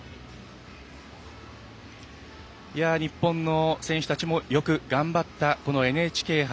日本の選手たちもよく頑張ったこのＮＨＫ杯。